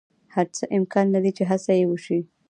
هر څه امکان لری چی هڅه یی وشی